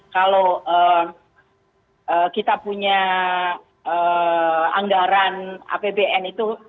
kalau kita punya anggaran apbn itu